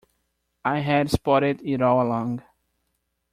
I had spotted it all along.